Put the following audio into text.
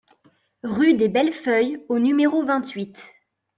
Rue des Belles Feuilles au numéro vingt-huit